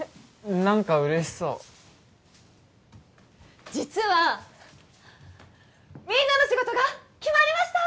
何か嬉しそう実はみんなの仕事が決まりました！